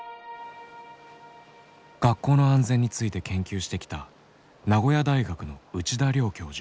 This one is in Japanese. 学校の安全について研究してきた名古屋大学の内田良教授。